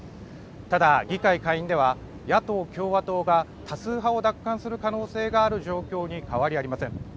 ただ議会下院では野党・共和党が多数派を奪還する可能性がある状況に変わりありません。